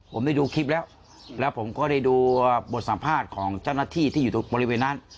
ผมได้ดูคลิปแล้วแล้วผมก็ได้ดูบทสัมภาษณ์ของเจ้าหน้าที่ที่อยู่บริเวณนั้น